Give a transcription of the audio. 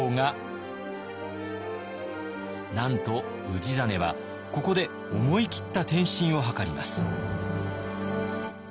なんと氏真はここで思い切った転身を図ります。